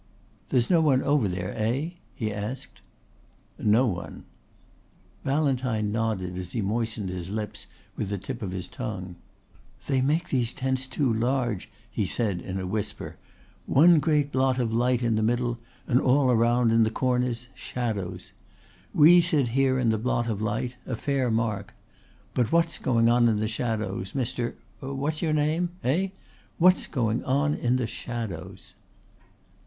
"There's no one over there, eh?" he asked. "No one." Ballantyne nodded as he moistened his lips with the tip of his tongue. "They make these tents too large," he said in a whisper. "One great blot of light in the middle and all around in the corners shadows. We sit here in the blot of light a fair mark. But what's going on in the shadows, Mr. What's your name? Eh? What's going on in the shadows?"